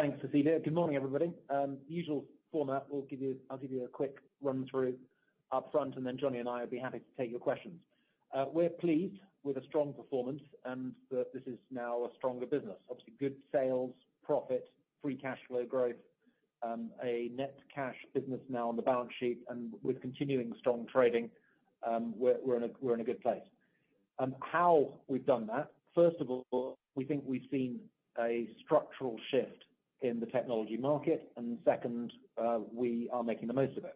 Thanks, Cecilia. Good morning, everybody. Usual format, I'll give you a quick run-through up front, and then Jonny and I will be happy to take your questions. We're pleased with the strong performance, and that this is now a stronger business. Obviously good sales, profit, free cash flow growth, a net cash business now on the balance sheet, and with continuing strong trading, we're in a good place. How we've done that, first of all, we think we've seen a structural shift in the technology market, and second, we are making the most of it.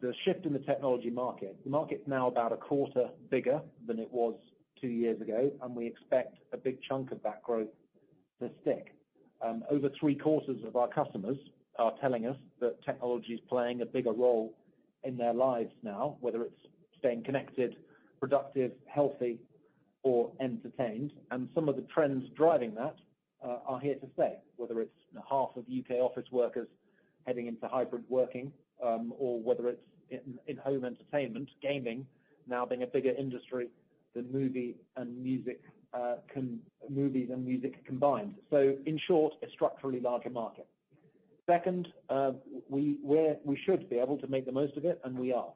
The shift in the technology market, the market's now about a quarter bigger than it was two years ago, and we expect a big chunk of that growth to stick. Over three-quarters of our customers are telling us that technology is playing a bigger role in their lives now, whether it's staying connected, productive, healthy, or entertained. Some of the trends driving that are here to stay, whether it's half of U.K. office workers heading into hybrid working, or whether it's in-home entertainment, gaming, now being a bigger industry than movie and music combined. In short, a structurally larger market. Second, we should be able to make the most of it, and we are.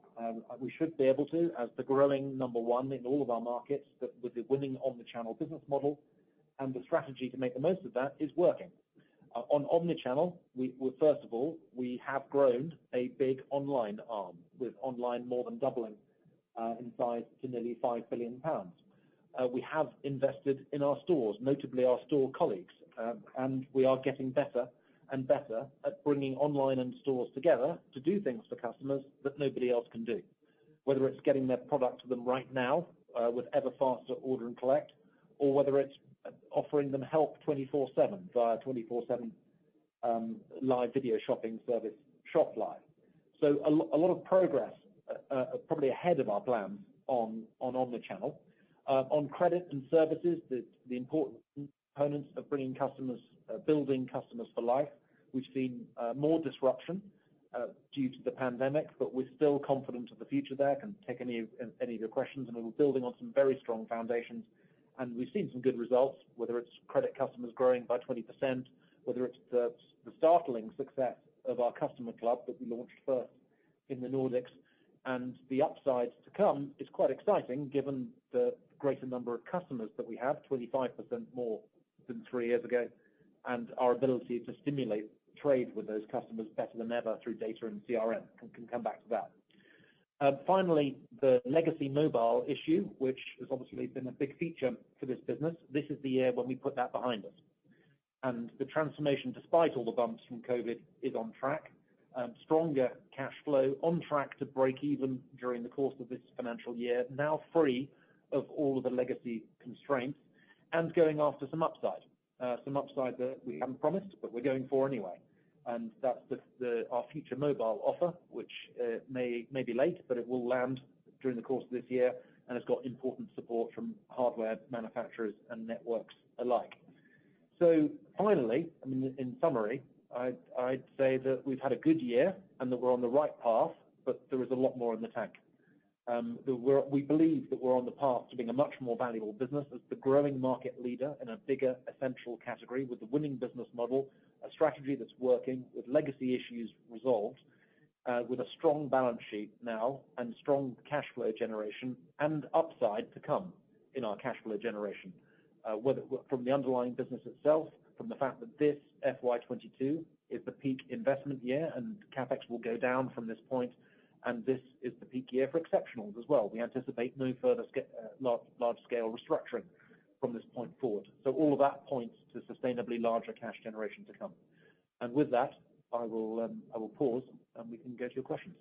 We should be able to, as the growing number one in all of our markets with the winning omnichannel business model and the strategy to make the most of that is working. On omnichannel, first of all, we have grown a big online arm, with online more than doubling in size to nearly 5 billion pounds. We have invested in our stores, notably our store colleagues, and we are getting better and better at bringing online and stores together to do things for customers that nobody else can do. Whether it's getting their product to them right now, with ever faster order and collect, or whether it's offering them help 24/7 via 24/7 live video shopping service, ShopLive. A lot of progress, probably ahead of our plans on omnichannel. On credit and services, the important components of building customers for life, we've seen more disruption due to the pandemic, but we're still confident of the future there. Can take any of your questions, and we're building on some very strong foundations, and we've seen some good results, whether it's credit customers growing by 20%, whether it's the startling success of our Customer Club that we launched first in the Nordics. The upsides to come is quite exciting given the greater number of customers that we have, 25% more than three years ago, and our ability to stimulate trade with those customers better than ever through data and CRM, and can come back to that. Finally, the legacy mobile issue, which has obviously been a big feature for this business. This is the year when we put that behind us. The transformation, despite all the bumps from COVID, is on track. Stronger cash flow, on track to break even during the course of this financial year, now free of all of the legacy constraints, and going after some upside. Some upside that we haven't promised, but we're going for anyway. That's our future mobile offer, which may be late, but it will land during the course of this year, and has got important support from hardware manufacturers and networks alike. Finally, in summary, I'd say that we've had a good year and that we're on the right path, but there is a lot more in the tank. We believe that we're on the path to being a much more valuable business as the growing market leader in a bigger essential category with a winning business model, a strategy that's working with legacy issues resolved, with a strong balance sheet now and strong cash flow generation and upside to come in our cash flow generation. From the underlying business itself, from the fact that this FY 2022 is the peak investment year and CapEx will go down from this point, and this is the peak year for exceptionals as well. We anticipate no further large-scale restructuring from this point forward. All that points to sustainably larger cash generation to come. With that, I will pause, and we can go to your questions.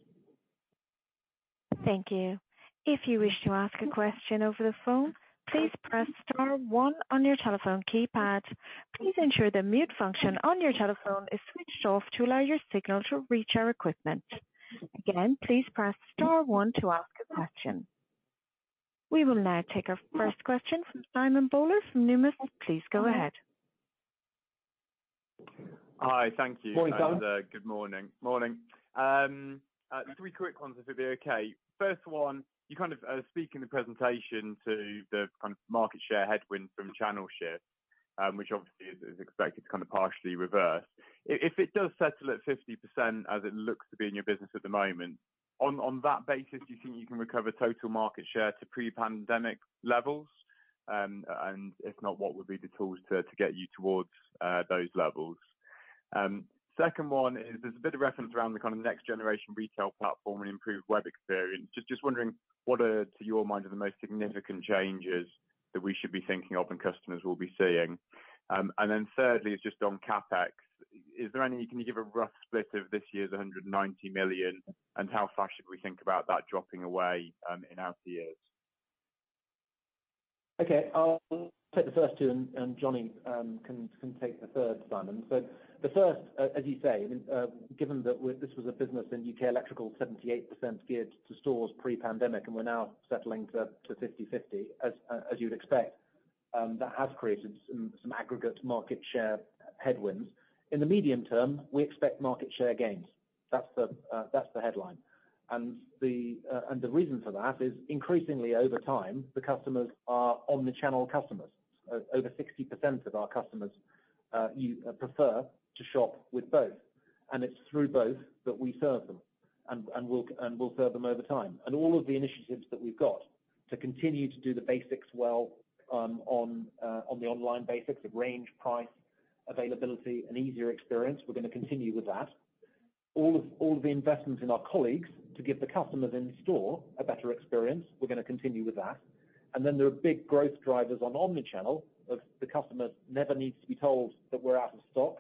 Thank you. If you wish to ask a question over the phone, please press star one on your telephone keypad. Please ensure the mute function on your telephone is switched off to allow your signal to reach our equipment. Again, please press star one to ask a question. We will now take a first question from Simon Bowler from Numis. Please go ahead. Hi. Thank you. Morning, Simon. Good morning. Morning. Three quick ones, if it'd be okay. First one, you kind of speak in the presentation to the kind of market share headwind from channel shift, which obviously is expected to kind of partially reverse. If it does settle at 50% as it looks to be in your business at the moment, on that basis, do you think you can recover total market share to pre-pandemic levels? If not, what would be the tools to get you towards those levels? Second one is, there's a bit of reference around the kind of next generation retail platform improved web experience. Just wondering, what are, to your mind, are the most significant changes that we should be thinking of and customers will be seeing? Thirdly, just on CapEx, is there any you can give a rough split of this year's 190 million, and how fast should we think about that dropping away in out years? Okay. I'll take the first two, and Jonny can take the third one. The first, as you say, given that this was a business in U.K. Electricals, 78% geared to stores pre-pandemic, and we're now settling for 50/50, as you'd expect, that has created some aggregate market share headwind. In the medium term, we expect market share gains. That's the headline. The reason for that is increasingly over time, the customers are omnichannel customers. Over 60% of our customers prefer to shop with both. It's through both that we serve them and will serve them over time. All of the initiatives that we've got to continue to do the basics well on the online basics of range, price, availability, and easier experience, we're going to continue with that. All of the investments in our colleagues to give the customers in store a better experience, we're going to continue with that. There are big growth drivers on omnichannel of the customers never needs to be told that we're out of stock,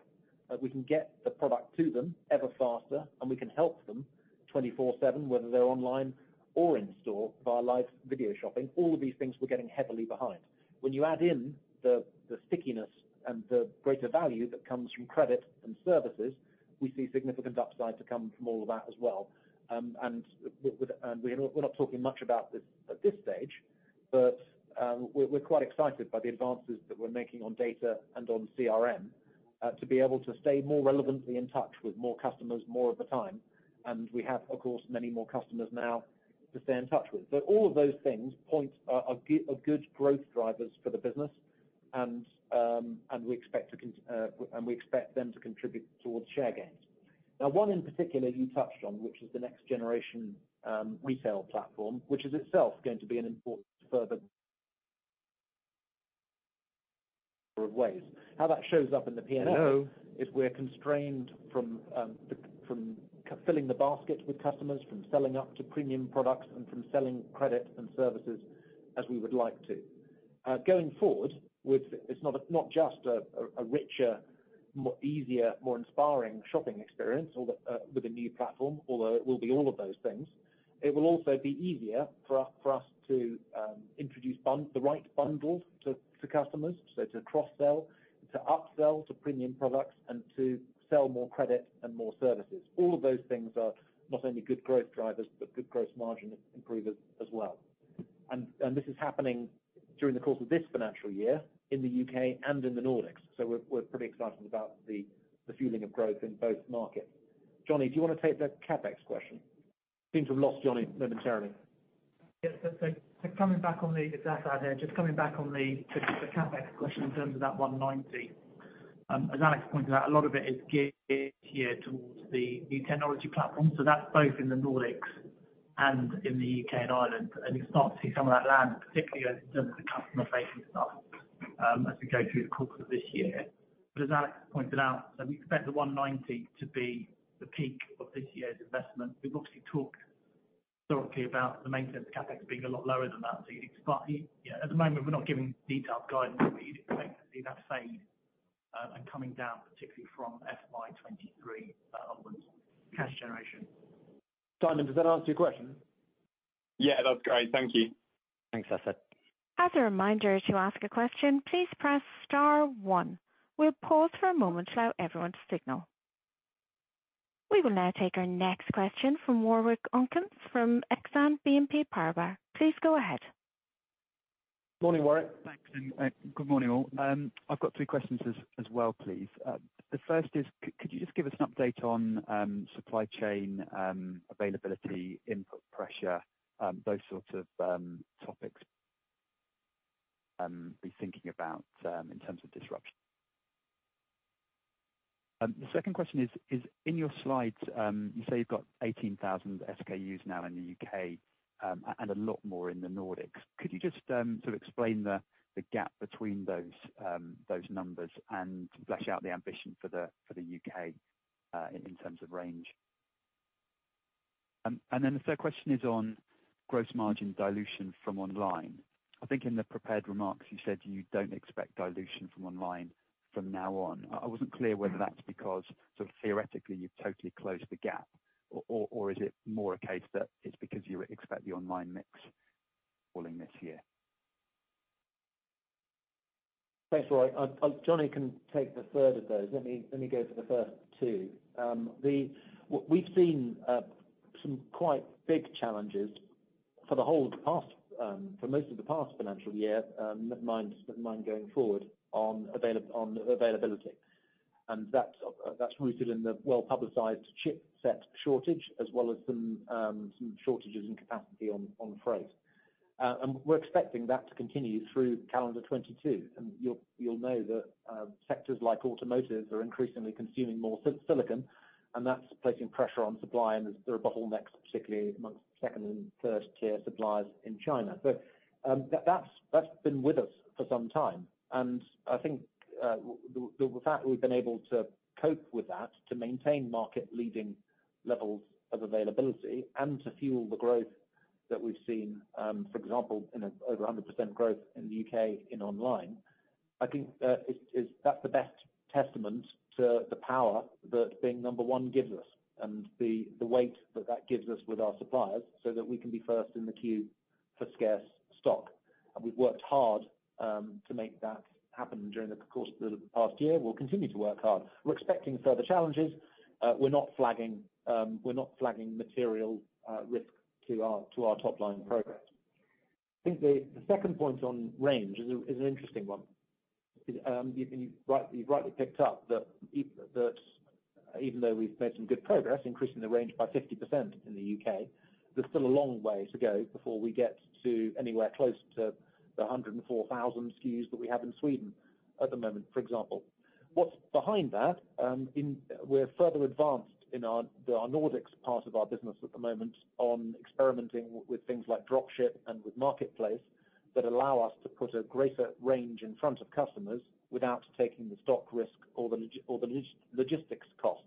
we can get the product to them ever faster, and we can help them 24/7, whether they're online or in store via live video shopping. All of these things we're getting heavily behind. When you add in the stickiness and the greater value that comes from credit and services, we see significant upside to come from all of that as well. We're not talking much about this at this stage. We're quite excited by the advances that we're making on data and on CRM to be able to stay more relevantly in touch with more customers more of the time. We have, of course, many more customers now to stay in touch with. All of those things point are good growth drivers for the business, and we expect them to contribute towards share gains. One in particular you touched on, which is the next generation retail platform, which is itself going to be an important further of ways. How that shows up in the P&L is we're constrained from filling the basket with customers, from selling up to premium products, and from selling credit and services as we would like to. Going forward with it's not just a richer, easier, more inspiring shopping experience with a new platform, although it will be all of those things. It will also be easier for us to introduce the right bundles to customers. To cross-sell, to up-sell to premium products, and to sell more credit and more services. All of those things are not only good growth drivers, but good gross margin improvers as well. This is happening during the course of this financial year in the U.K. and in the Nordics. We're pretty excited about the fueling of growth in both markets. Jonny, do you want to take the CapEx question? Seems we've lost Jonny momentarily. Yes. It's Assad here. Just coming back on the CapEx question in terms of that 190. As Alex pointed out, a lot of it is geared towards the new technology platform. That's both in the Nordics and in the U.K. and Ireland. You start to see some of that land, particularly in terms of the customer-facing stuff, as we go through the course of this year. As Alex pointed out, we expect the 190 to be the peak of this year's investment. We've obviously talked thoroughly about the maintenance CapEx being a lot lower than that. At the moment, we're not giving detailed guidance, but you'd expect to see that fade and coming down particularly from FY 2023 onwards, cash generation. Simon, does that answer your question? Yeah, that's great. Thank you. Thanks, Assad. As a reminder, to ask a question, please press star one. We will pause for a moment to allow everyone to signal. We will now take our next question from Warwick Okines from BNP Paribas Exane. Please go ahead. Morning, Warwick. Thanks. Good morning, all. I've got three questions as well, please. The first is, could you just give us an update on supply chain availability, input pressure, those sorts of topics be thinking about in terms of disruption? The second question is, in your slides, you say you've got 18,000 SKUs now in the U.K. and a lot more in the Nordics. Could you just explain the gap between those numbers and flesh out the ambition for the U.K. in terms of range? Then the third question is on gross margin dilution from online. I think in the prepared remarks, you said you don't expect dilution from online from now on. I wasn't clear whether that's because theoretically you've totally closed the gap or is it more a case that it's because you expect the online mix falling this year. Thanks, Warwick. Jonny can take the third of those. Let me go for the first two. We've seen some quite big challenges for most of the past financial year, mind going forward, on availability. That's rooted in the well-publicized chipset shortage, as well as some shortages in capacity on freight. We're expecting that to continue through calendar 2022. You'll know that sectors like automotive are increasingly consuming more silicon, and that's placing pressure on supply, and there are bottlenecks, particularly amongst second and first-tier suppliers in China. That's been with us for some time. I think the fact that we've been able to cope with that to maintain market leading levels of availability and to fuel the growth that we've seen, for example, in over 100% growth in the U.K. in online, I think that's the best testament to the power that being number one gives us and the weight that that gives us with our suppliers so that we can be first in the queue for scarce stock. We've worked hard to make that happen during the course of the past year. We'll continue to work hard. We're expecting further challenges. We're not flagging material risk to our top line progress. I think the second point on range is an interesting one. You've rightly picked up that even though we've made some good progress increasing the range by 50% in the U.K., there's still a long way to go before we get to anywhere close to the 104,000 SKUs that we have in Sweden at the moment, for example. What's behind that, we're further advanced in our Nordics part of our business at the moment on experimenting with things like dropship and with marketplace that allow us to put a greater range in front of customers without taking the stock risk or the logistics cost.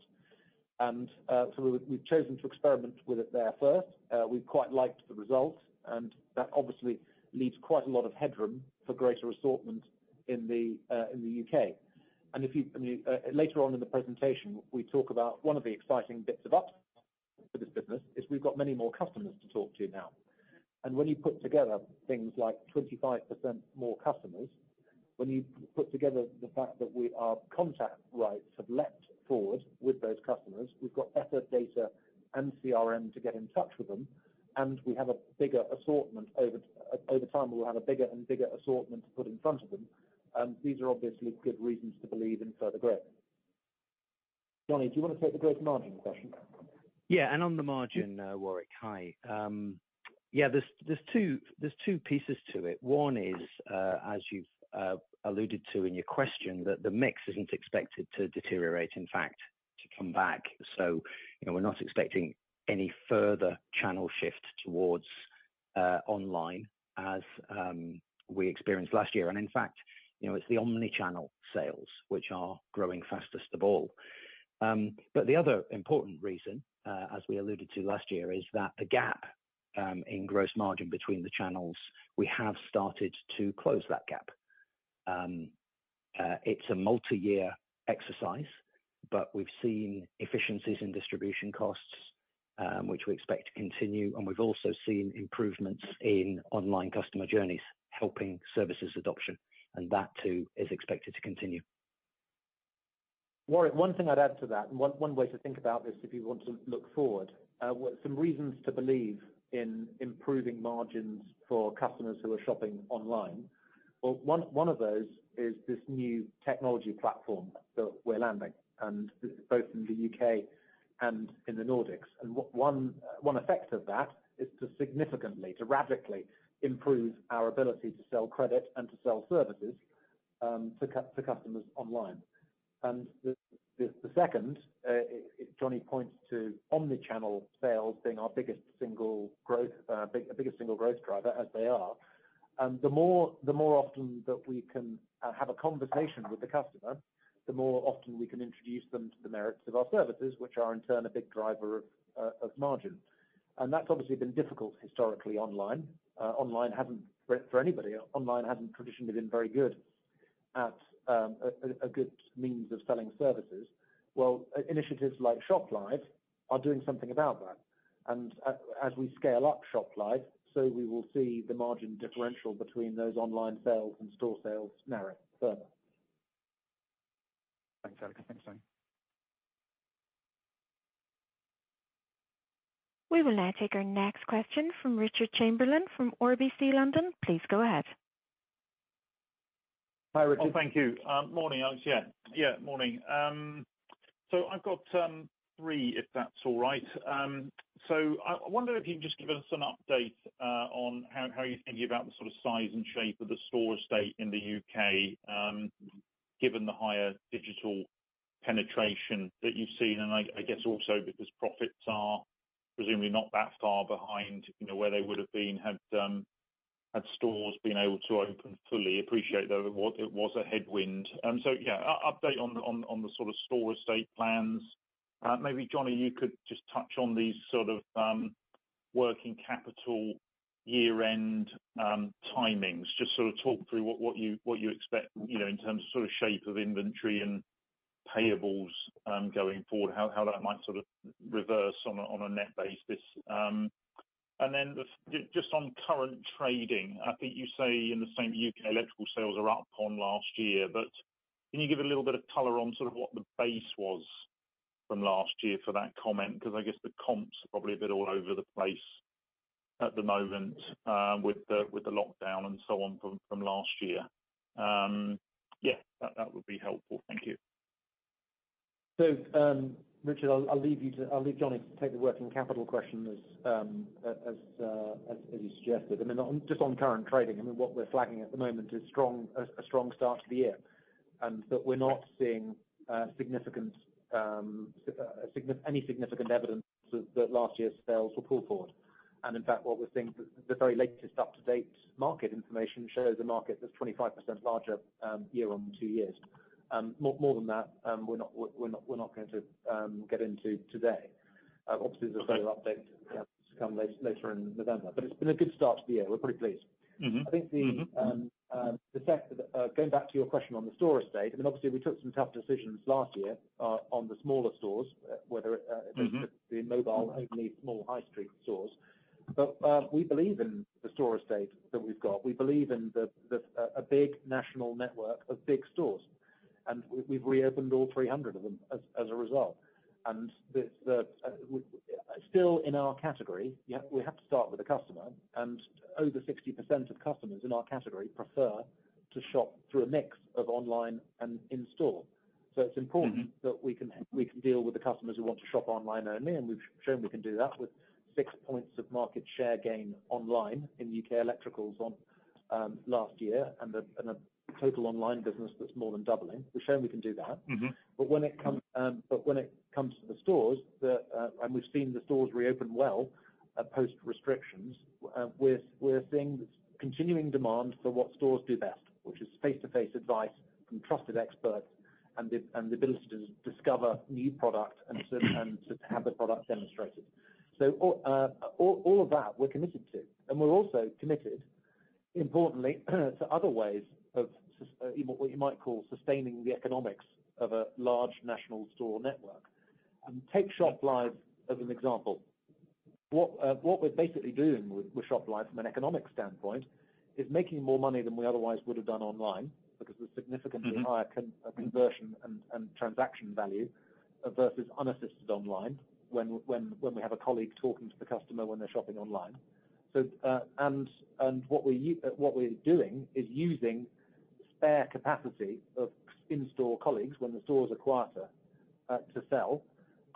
We've chosen to experiment with it there first. We quite liked the result, that obviously leaves quite a lot of headroom for greater assortment in the U.K. Later on in the presentation, we talk about one of the exciting bits of ups for this business is we've got many more customers to talk to now. When you put together things like 25% more customers, when you put together the fact that our contact rates have leapt forward with those customers, we've got better data and CRM to get in touch with them, and we have a bigger assortment. Over time, we will have a bigger and bigger assortment to put in front of them. These are obviously good reasons to believe in further growth. Jonny, do you want to take the gross margin question? Yeah. On the margin, Warwick. Hi. Yeah, there's two pieces to it. One is, as you've alluded to in your question, that the mix isn't expected to deteriorate, in fact, to come back. We're not expecting any further channel shift towards online as we experienced last year. In fact, it's the omnichannel sales which are growing fastest of all. The other important reason, as we alluded to last year, is that the gap in gross margin between the channels, we have started to close that gap. It's a multi-year exercise, we've seen efficiencies in distribution costs, which we expect to continue, we've also seen improvements in online customer journeys, helping services adoption, that too is expected to continue. Warwick, one thing I'd add to that. One way to think about this if you want to look forward, some reasons to believe in improving margins for customers who are shopping online. Well, one of those is this new technology platform that we're landing, both in the U.K. and in the Nordics. One effect of that is to significantly, to radically improve our ability to sell credit and to sell services to customers online. The second, Jonny points to omnichannel sales being our biggest single growth driver as they are. The more often that we can have a conversation with the customer, the more often we can introduce them to the merits of our services, which are in turn a big driver of margin. That's obviously been difficult historically online. Online hasn't, for anybody, online hasn't traditionally been very good at a good means of selling services. Well, initiatives like ShopLive are doing something about that. As we scale up ShopLive, so we will see the margin differential between those online sales and store sales narrow further. Thanks, Alex. Thanks, team. We will now take our next question from Richard Chamberlain from RBC London. Please go ahead. Hi, Richard. Thank you. Morning. I've got three if that's all right. I wonder if you can just give us an update on how you're thinking about the sort of size and shape of the store estate in the U.K., given the higher digital penetration that you've seen, and I guess also because profits are presumably not that far behind where they would have been had stores been able to open fully, appreciate though it was a headwind. Yeah, update on the sort of store estate plans. Maybe Jonny, you could just touch on these sort of working capital year-end timings. Just sort of talk through what you expect in terms of shape of inventory and payables going forward, how that might sort of reverse on a net basis. Just on current trading, I think you say in the same U.K. Electricals sales are up on last year, but can you give a little bit of color on sort of what the base was from last year for that comment? I guess the comps are probably a bit all over the place at the moment, with the lockdown and so on from last year. Yeah, that would be helpful. Thank you. Richard, I'll leave Jonny to take the working capital question as you suggested. Just on current trading, what we're flagging at the moment is a strong start to the year, and that we're not seeing any significant evidence that last year's sales were pulled forward. In fact, what we're seeing, the very latest up-to-date market information shows a market that's 25% larger year on two years. More than that, we're not going to get into today. Obviously, there's a further update to come later in November. It's been a good start to the year. We're pretty pleased. Going back to your question on the store estate, obviously we took some tough decisions last year on the smaller stores. The mobile, only small high street stores. We believe in the store estate that we've got. We believe in a big national network of big stores. We've reopened all 300 of them as a result. Still in our category, we have to start with the customer, and over 60% of customers in our category prefer to shop through a mix of online and in-store. It's important that we can deal with the customers who want to shop online only, and we've shown we can do that with 6 points of market share gain online in U.K. Electricals on last year and a total online business that's more than doubling. We've shown we can do that. When it comes to the stores, and we've seen the stores reopen well post restrictions, we're seeing continuing demand for what stores do best, which is face-to-face advice from trusted experts and the ability to discover new products and to have a product demonstrated. All of that we're committed to, and we're also committed, importantly, to other ways of what you might call sustaining the economics of a large national store network. Take ShopLive as an example. What we're basically doing with ShopLive from an economic standpoint is making more money than we otherwise would have done online because the significantly higher conversion and transaction value versus unassisted online when we have a colleague talking to the customer when they're shopping online. What we're doing is using spare capacity of in-store colleagues when the stores are quieter to sell,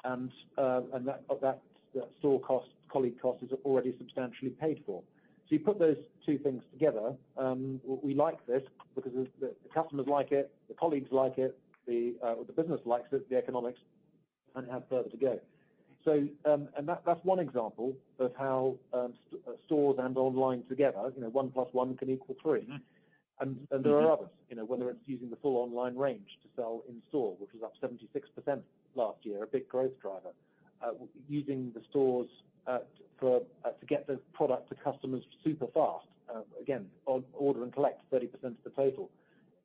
and that store colleague cost is already substantially paid for. You put those two things together, we like this because the customers like it, the colleagues like it, the business likes it, the economics, and have further to go. That's one example of how stores and online together, 1+1 can equal three. There are others, whether it's using the full online range to sell in-store, which was up 76% last year, a big growth driver. Using the stores to get the product to customers super fast, again, order and collect 30% of the total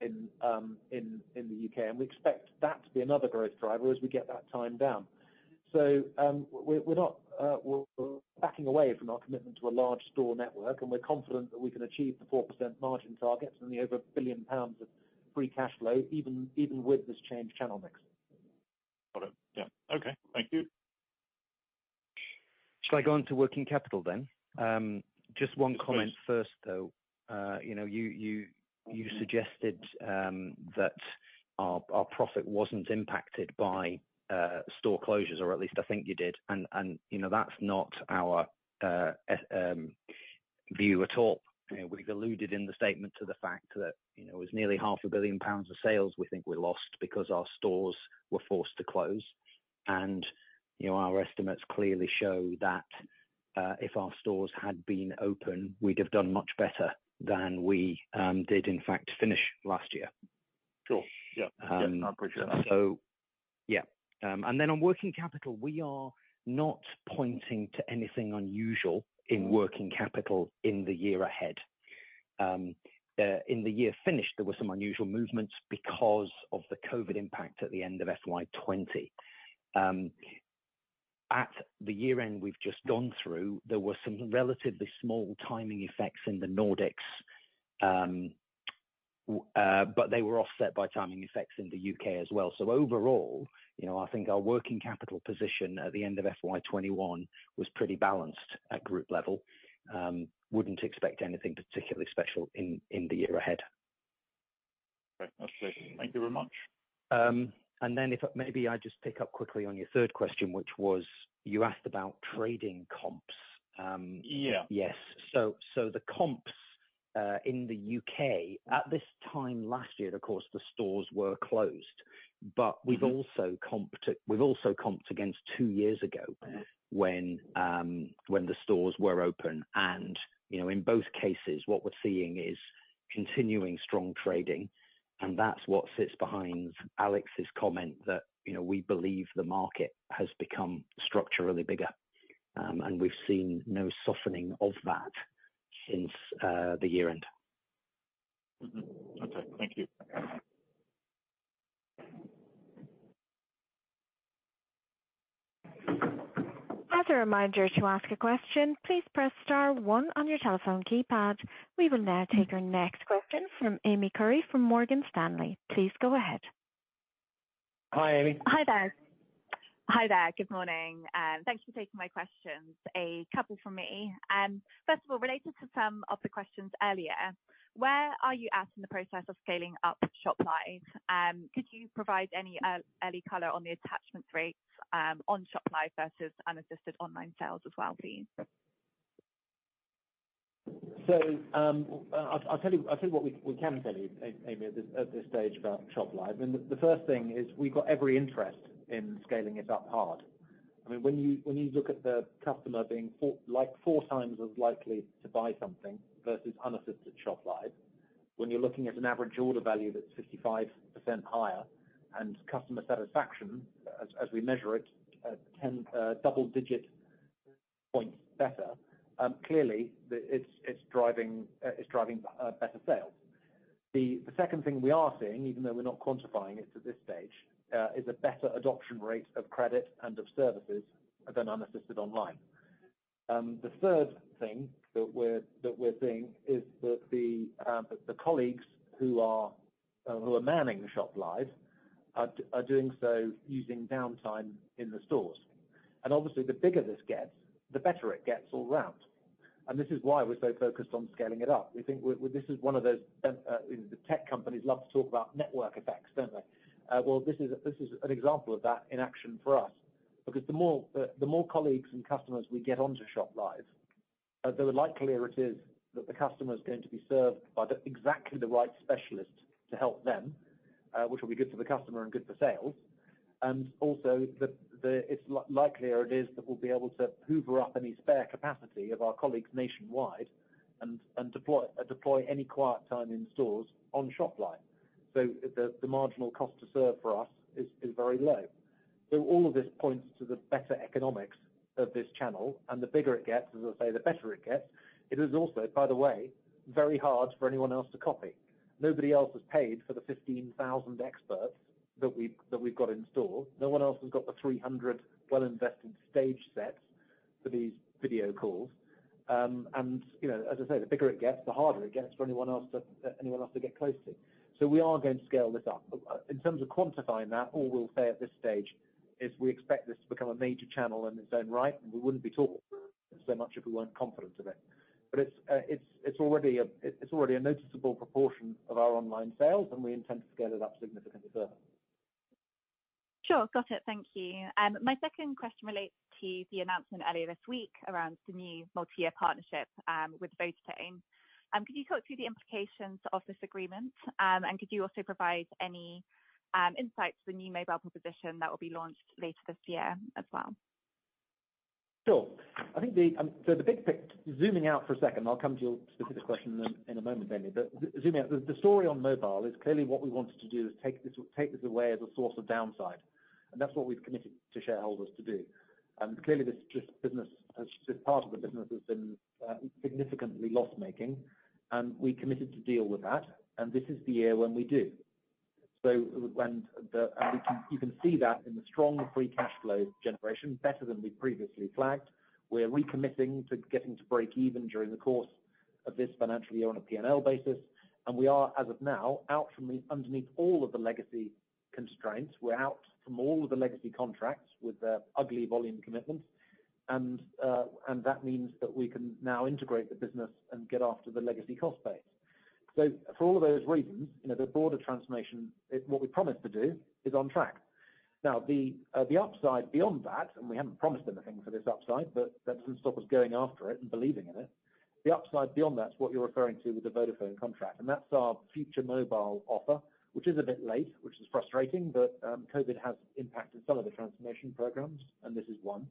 in the U.K. We expect that to be another growth driver as we get that time down. We're not backing away from our commitment to a large store network, and we're confident that we can achieve the 4% margin targets and the over 1 billion pounds of free cash flow, even with this change in channel mix. Got it. Yeah. Okay. Thank you. Shall I go into working capital then? Just one comment first, though. You suggested that our profit wasn't impacted by store closures, or at least I think you did, That's not our view at all. We've alluded in the statement to the fact that it was nearly 500 million pounds of sales we think we lost because our stores were forced to close. Our estimates clearly show that if our stores had been open, we'd have done much better than we did, in fact, finish last year. Sure. Yeah. 100%. Yeah. On working capital, we are not pointing to anything unusual in working capital in the year ahead. In the year finished, there were some unusual movements because of the COVID impact at the end of FY 2020. At the year-end we've just gone through, there were some relatively small timing effects in the Nordics, but they were offset by timing effects in the U.K. as well. Overall, I think our working capital position at the end of FY 2021 was pretty balanced at group level. Wouldn't expect anything particularly special in the year ahead. Fantastic. Thank you very much. Maybe I just pick up quickly on your third question, which was you asked about trading comps. Yeah. Yes. The comps in the U.K. at this time last year, of course, the stores were closed, but we've also comped against two years ago when the stores were open. In both cases, what we're seeing is continuing strong trading, and that's what sits behind Alex's comment that we believe the market has become structurally bigger, and we've seen no softening of that since the year-end. Mm-hmm. Okay. Thank you. As a reminder to ask a question, please press star one on your telephone keypad. We will now take our next question from Amy Curry from Morgan Stanley. Please go ahead. Hi, Amy. Hi there. Good morning. Thank you for taking my questions. A couple from me. First of all, related to some of the questions earlier, where are you at in the process of scaling up ShopLive? Could you provide any color on the attachment rates on ShopLive versus unassisted online sales as well, please? I'll tell you what we can tell you, Amy, at this stage about ShopLive. The first thing is we got every interest in scaling it up hard. When you look at the customer being four times as likely to buy something versus unassisted online, when you're looking at an average order value that's 55% higher and customer satisfaction as we measure it, 10 double-digit points better, clearly it's driving better sales. The second thing we are seeing, even though we're not quantifying it at this stage, is a better adoption rate of credit and of services than unassisted online. The third thing that we're seeing is that the colleagues who are manning the ShopLive are doing so using downtime in the stores. Obviously, the bigger this gets, the better it gets all around. This is why we're so focused on scaling it up. We think this is one of those, the tech companies love to talk about network effects, don't they? Well, this is an example of that in action for us, because the more colleagues and customers we get onto ShopLive, the likelier it is that the customer is going to be served by exactly the right specialist to help them, which will be good for the customer and good for sales. Also, the likelier it is that we'll be able to hoover up any spare capacity of our colleagues nationwide and deploy any quiet time in stores on ShopLive. The marginal cost to serve for us is very low. All of this points to the better economics of this channel, and the bigger it gets, as I say, the better it gets. It is also, by the way, very hard for anyone else to copy. Nobody else has paid for the 15,000 experts that we've got in store. No one else has got the 300 well-invested stage sets for these video calls. As I say, the bigger it gets, the harder it gets for anyone else to get close to. We are going to scale this up. In terms of quantifying that, all we'll say at this stage is we expect this to become a major channel in its own right, and we wouldn't be talking so much if we weren't confident of it. It's already a noticeable proportion of our online sales, and we intend to scale it up significantly further. Sure. Got it. Thank you. My second question relates to the announcement earlier this week around the new multi-year partnership with Vodafone. Could you talk through the implications of this agreement, and could you also provide any insights, the new mobile proposition that will be launched later this year as well? Sure. Zooming out for a second, I'll come to your specific question in a moment, Amy. Zooming out, the story on mobile is clearly what we wanted to do is take this away as a source of downside, and that's what we've committed to shareholders to do. Clearly, this part of the business has been significantly loss-making, and we committed to deal with that, and this is the year when we do. You can see that in the strong free cash flow generation, better than we previously flagged. We're recommitting to getting to break even during the course of this financial year on a P&L basis, and we are, as of now, out from underneath all of the legacy constraints. We're out from all of the legacy contracts with ugly volume commitments. That means that we can now integrate the business and get after the legacy cost base. For all of those reasons, the broader transformation, what we promised to do is on track. Now, the upside beyond that. We haven't promised anything for this upside. That doesn't stop us going after it and believing in it. The upside beyond that is what you're referring to with the Vodafone contract. That's our future mobile offer, which is a bit late, which is frustrating. COVID has impacted some of the transformation programs. This is one.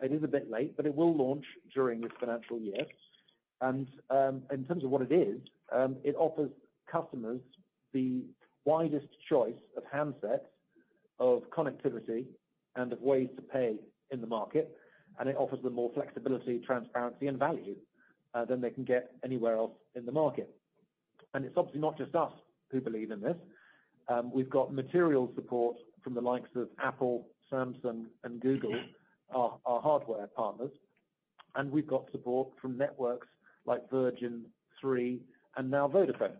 It is a bit late. It will launch during this financial year. In terms of what it is, it offers customers the widest choice of handsets, of connectivity, and of ways to pay in the market, and it offers them more flexibility, transparency, and value than they can get anywhere else in the market. It's obviously not just us who believe in this. We've got material support from the likes of Apple, Samsung, and Google, our hardware partners, and we've got support from networks like Virgin, Three, and now Vodafone.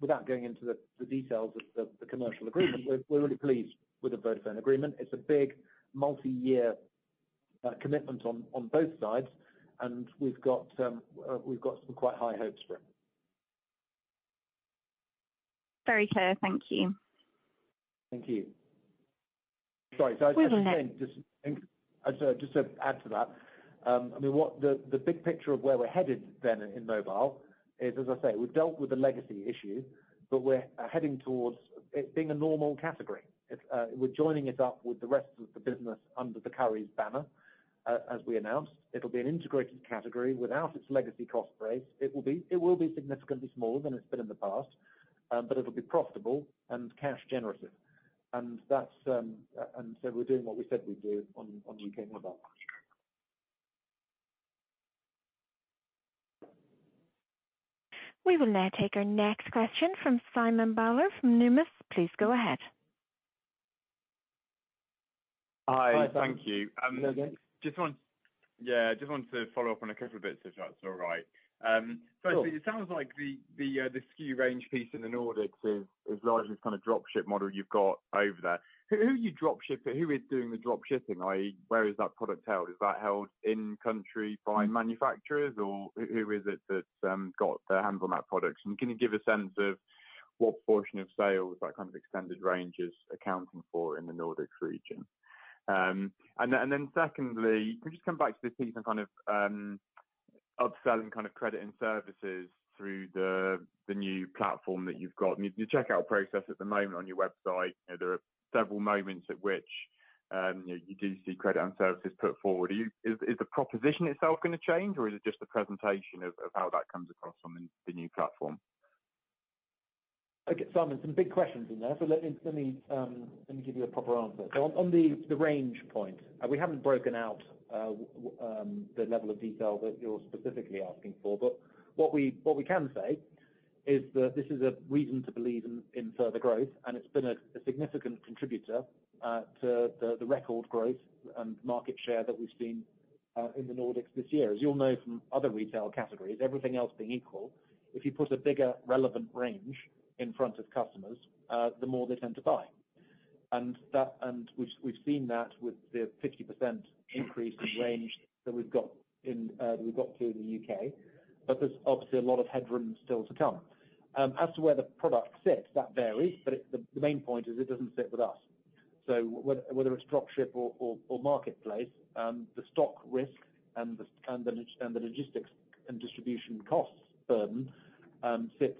Without going into the details of the commercial agreement, we're really pleased with the Vodafone agreement. It's a big multi-year commitment on both sides, and we've got some quite high hopes for it. Very clear. Thank you. Thank you. Sorry. We will now- Just to add to that, the big picture of where we're headed then in mobile is, as I say, we've dealt with the legacy issue, but we're heading towards it being a normal category. We're joining it up with the rest of the business under the Currys banner. As we announced, it'll be an integrated category without its legacy cost base. It will be significantly smaller than it's been in the past, but it'll be profitable and cash generative. We're doing what we said we'd do on U.K. mobile. We will now take our next question from Simon Bowler from Numis. Please go ahead. Hi. Thank you. Hello again. Yeah, I just wanted to follow up on a couple of bits, if that's all right. Sure. It sounds like the SKU range piece in the Nordics is largely this kind of dropship model you've got over there. Who are you dropshipping? Who is doing the dropshipping, i.e., where is that product held? Is that held in country by manufacturers, or who is it that's got their hands on that product? Can you give a sense of what portion of sales that kind of extended range is accounting for in the Nordics region? Secondly, can we just come back to this piece on upselling credit and services through the new platform that you've got? Your checkout process at the moment on your website, there are several moments at which you do see credit and services put forward. Is the proposition itself going to change, or is it just the presentation of how that comes across on the new platform? Okay, Simon, some big questions in there. Let me give you a proper answer. On the range point, we haven't broken out the level of detail that you're specifically asking for, but what we can say is that this is a reason to believe in further growth, and it's been a significant contributor to the record growth and market share that we've seen in the Nordics this year. As you'll know from other retail categories, everything else being equal, if you put a bigger relevant range in front of customers, the more they tend to buy. We've seen that with the 50% increase in range that we've got here in the U.K. There's obviously a lot of headroom still to come. As to where the product sits, that varies, but the main point is it doesn't sit with us. Whether a dropship or marketplace, the stock risk and the logistics and distribution cost burden sits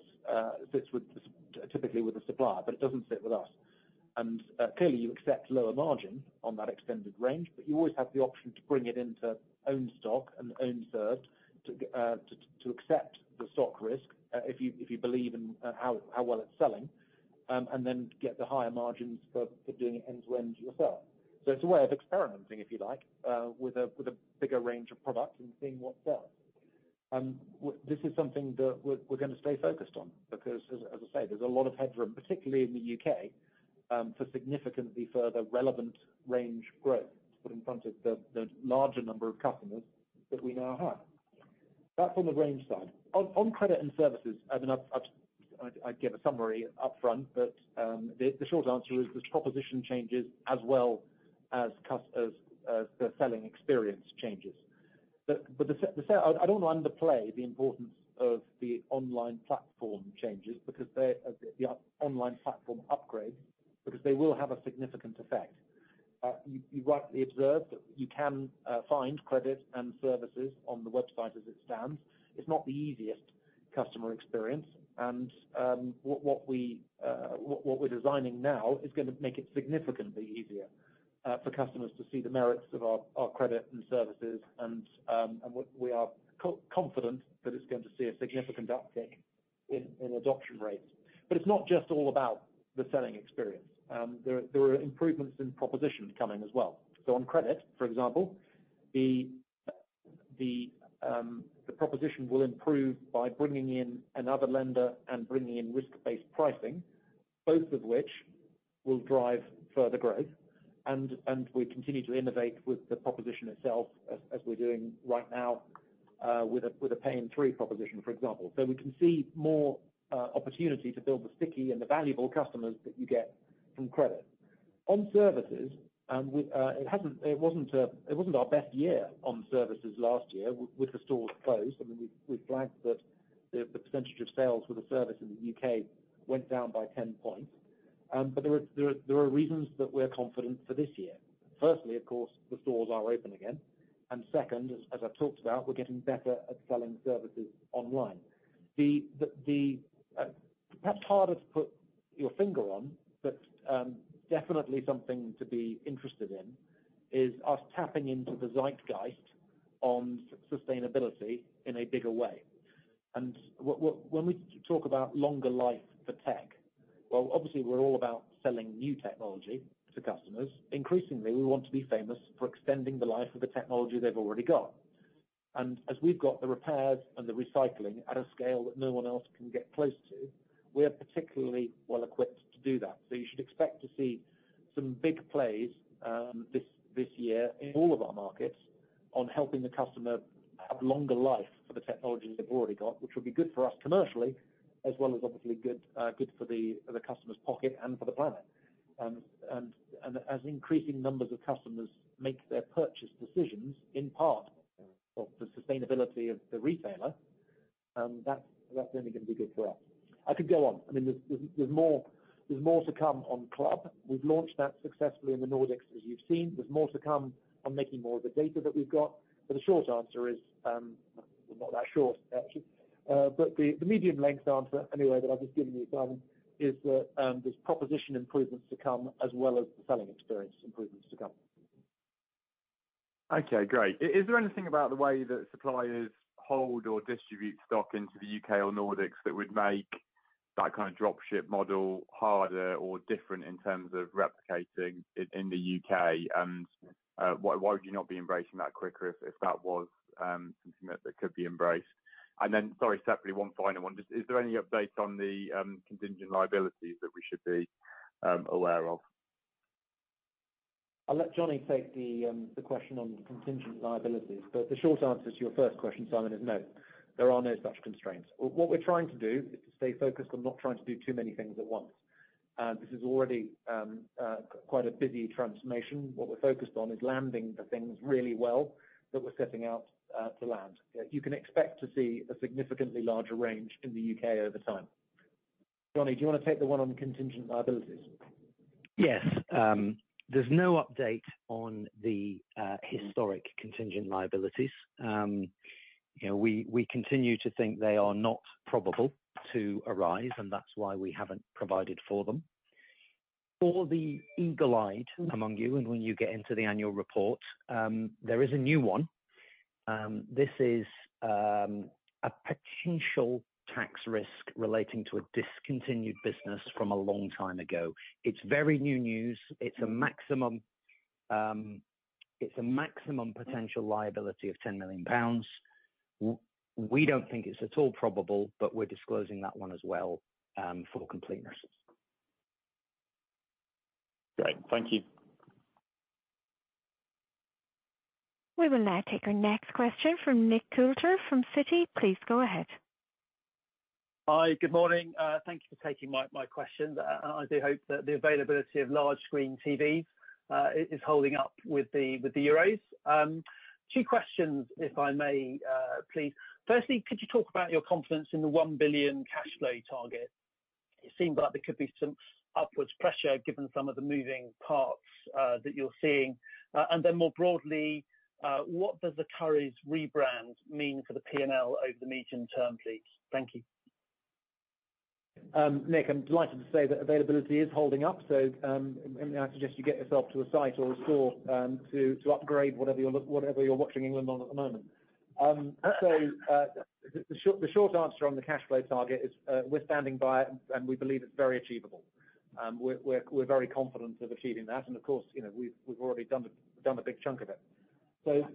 typically with the supplier, but it doesn't sit with us. Clearly, you accept lower margin on that extended range, but you always have the option to bring it into own stock and own served to accept the stock risk if you believe in how well it's selling, and then get the higher margins for doing the ends-to-ends yourself. It's a way of experimenting, if you like, with a bigger range of products and seeing what sells. This is something that we're going to stay focused on because, as I say, there's a lot of headroom, particularly in the U.K., for significantly further relevant range growth to put in front of the larger number of customers that we now have. That's on the range side. On credit and services, I gave a summary upfront. The short answer is the proposition changes as well as the selling experience changes. I don't want to underplay the importance of the online platform changes, the online platform upgrade, because they will have a significant effect. You rightly observed that you can find credit and services on the website as it stands. It's not the easiest customer experience. What we're designing now is going to make it significantly easier for customers to see the merits of our credit and services. We are confident that it's going to see a significant uptick in adoption rates. It's not just all about the selling experience. There are improvements in propositions coming as well. On credit, for example, the proposition will improve by bringing in another lender and bringing in risk-based pricing, both of which will drive further growth, and we continue to innovate with the proposition itself as we're doing right now with a pay in three proposition, for example. We can see more opportunity to build the sticky and the valuable customers that you get from credit. On services, it wasn't our best year on services last year with the stores closed. I mean, we flagged that the percentage of sales for the service in the U.K. went down by 10 points. There are reasons that we're confident for this year. Firstly, of course, the stores are open again, and second, as I talked about, we're getting better at selling services online. Perhaps hardest to put your finger on, but definitely something to be interested in is us tapping into the zeitgeist on sustainability in a bigger way. When we talk about longer life for tech, well, obviously, we're all about selling new technology to customers. Increasingly, we want to be famous for extending the life of the technology they've already got. As we've got the repairs and the recycling at a scale that no one else can get close to, we are particularly well equipped to do that. You should expect to see some big plays this year in all of our markets on helping the customer have longer life for the technology they've already got, which will be good for us commercially, as well as obviously good for the customer's pocket and for the planet. As increasing numbers of customers make their purchase decisions, in part on the sustainability of the retailer, that's only going to be good for us. I could go on. I mean, there's more to come on Club. We've launched that successfully in the Nordics, as you've seen. There's more to come on making more of the data that we've got. The short answer is. Well, not that short, actually. The medium length answer anyway that I've given you, Simon, is that there's proposition improvements to come as well as the selling experience improvements to come. Okay, great. Is there anything about the way that suppliers hold or distribute stock into the U.K. or Nordics that would make that kind of dropship model harder or different in terms of replicating in the U.K.? Why would you not be embracing that quicker if that was something that could be embraced? Then, sorry, separately, one final one. Is there any update on the contingent liabilities that we should be aware of? I'll let Jonny take the question on the contingent liabilities. The short answer to your first question, Simon, is no, there are no such constraints. What we're trying to do is stay focused on not trying to do too many things at once. This is already quite a busy transformation. What we're focused on is landing the things really well that we're setting out to land. You can expect to see a significantly larger range in the U.K. over time. Jonny, do you want to take the one on contingent liabilities? Yes. There's no update on the historic contingent liabilities. We continue to think they are not probable to arise, and that's why we haven't provided for them. For the eagle-eyed among you, and when you get into the annual report, there is a new one. This is a potential tax risk relating to a discontinued business from a long time ago. It's very new news. It's a maximum potential liability of 10 million pounds. We don't think it's at all probable, but we're disclosing that one as well for completeness. Great. Thank you. We will now take our next question from Nick Coulter from Citi. Please go ahead. Hi. Good morning. Thank you for taking my question. I do hope that the availability of large screen TVs is holding up with the Euros. Two questions, if I may, please. Firstly, could you talk about your confidence in the 1 billion cash flow target? It seemed like there could be some upwards pressure given some of the moving parts that you're seeing. More broadly, what does the Currys rebrand mean for the P&L over the medium term, please? Thank you. Nick, I'm delighted to say that availability is holding up. I suggest you get yourself to a site or a store to upgrade whatever you're watching England on at the moment. The short answer on the cash flow target is we're standing by it, and we believe it's very achievable. We're very confident of achieving that. Of course, we've already done a big chunk of it.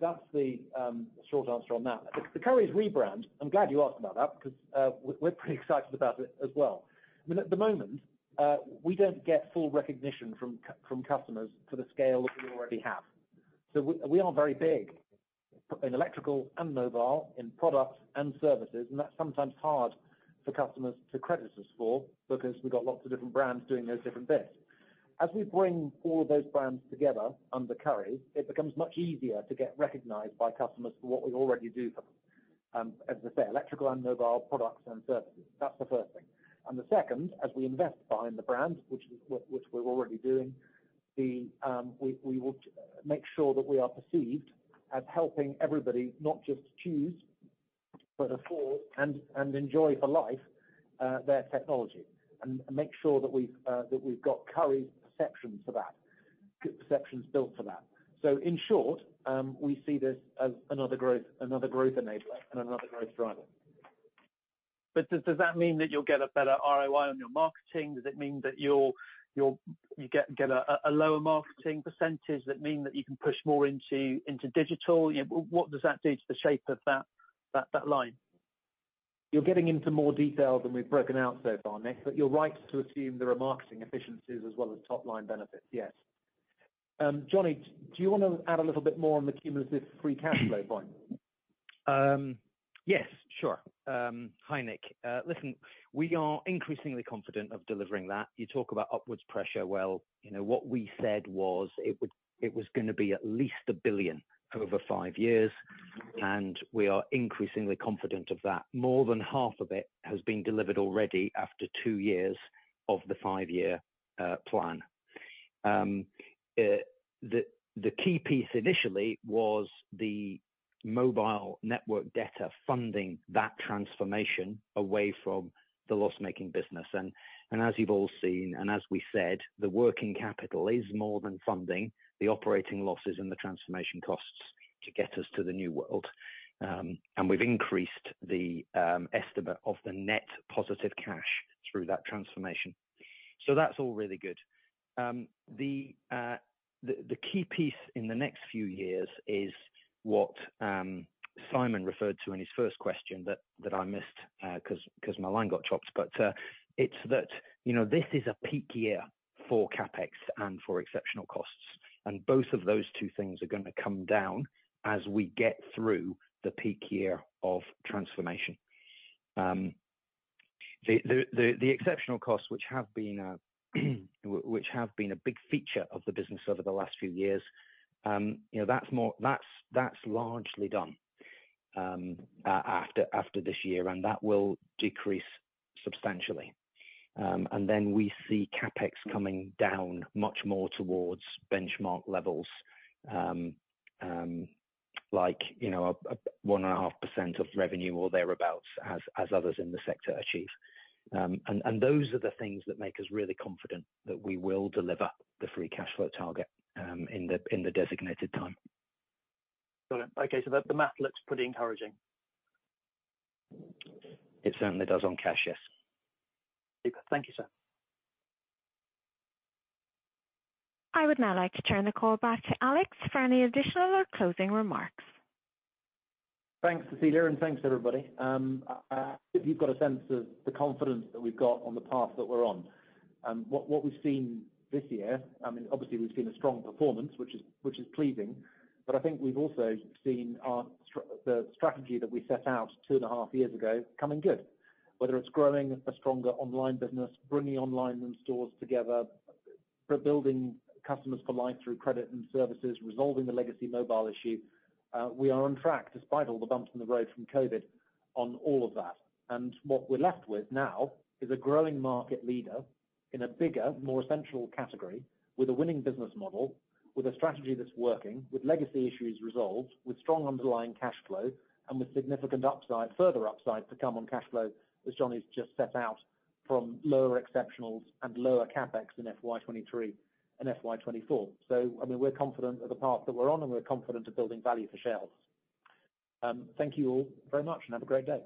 That's the short answer on that. The Currys rebrand, I'm glad you asked about that because we're pretty excited about it as well. I mean, at the moment, we don't get full recognition from customers for the scale that we already have. We are very big in electrical and mobile, in products and services, and that's sometimes hard for customers to credit us for because we've got lots of different brands doing those different bits. As we bring all of those brands together under Currys, it becomes much easier to get recognized by customers for what we already do for them. As I say, electrical and mobile products and services. That's the first thing. The second, as we invest behind the brand, which we're already doing, we will make sure that we are perceived as helping everybody not just choose, but afford and enjoy for life, their technology. Make sure that we've got Currys perceptions for that, perceptions built for that. In short, we see this as another growth enabler and another growth driver. Does that mean that you'll get a better ROI on your marketing? Does it mean that you get a lower marketing percentage? Does it mean that you can push more into digital? What does that do to the shape of that line? You're getting into more detail than we've broken out so far, Nick, but you're right to assume there are marketing efficiencies as well as top-line benefits, yes. Jonny, do you want to add a little bit more on the cumulative free cash flow point? Yes, sure. Hi, Nick. Listen, we are increasingly confident of delivering that. You talk about upwards pressure. Well, what we said was it was going to be at least 1 billion over five years, and we are increasingly confident of that. More than half of it has been delivered already after two years of the five-year plan. The key piece initially was the mobile network debtor funding that transformation away from the loss-making business. As you've all seen, and as we said, the working capital is more than funding the operating losses and the transformation costs to get us to the new world. We've increased the estimate of the net positive cash through that transformation. That's all really good. The key piece in the next few years is what Simon referred to in his first question that I missed because my line got dropped, but it's that this is a peak year for CapEx and for exceptional costs. Both of those two things are going to come down as we get through the peak year of transformation. The exceptional costs, which have been a big feature of the business over the last few years, that's largely done after this year, and that will decrease substantially. Then we see CapEx coming down much more towards benchmark levels, like 1.5% of revenue or thereabouts, as others in the sector achieve. Those are the things that make us really confident that we will deliver the free cash flow target in the designated time. Got it. Okay, the math looks pretty encouraging. It certainly does on cash, yes. Thank you, sir. I would now like to turn the call back to Alex for any additional or closing remarks. Thanks, Cecilia, and thanks, everybody. I think you've got a sense of the confidence that we've got on the path that we're on. What we've seen this year, I mean, obviously, we've seen a strong performance, which is pleasing, but I think we've also seen the strategy that we set out two and a half years ago coming good. Whether it's growing a stronger online business, bringing online and stores together, building customers for life through credit and services, resolving the legacy mobile issue. We are on track despite all the bumps in the road from COVID on all of that. What we're left with now is a growing market leader in a bigger, more essential category with a winning business model, with a strategy that's working, with legacy issues resolved, with strong underlying cash flow, and with significant further upside to come on cash flow, as Jonny's just set out, from lower exceptionals and lower CapEx in FY 2023 and FY 2024. I mean, we're confident of the path that we're on, and we're confident of building value for shareholders. Thank you all very much, and have a great day.